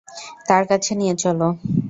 তার কাছে নিয়ে চলো।